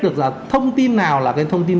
được là thông tin nào là cái thông tin